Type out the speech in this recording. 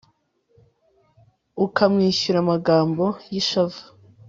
ukamwishyura amagambo y'ishavu